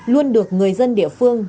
luôn được người dân địa phương